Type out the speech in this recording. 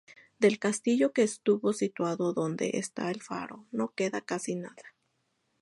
Del castillo, que estuvo situado donde está el faro, no queda casi nada.